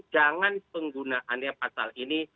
jangan penggunaannya pasal ini